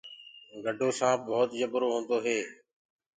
گَڊو سآنپ ڀوت جبرو هوندو هي۔